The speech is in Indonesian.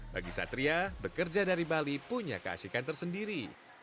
bagi satria bekerja dari bali punya keasikan tersendiri